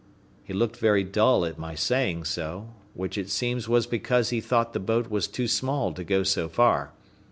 He looked very dull at my saying so; which it seems was because he thought the boat was too small to go so far.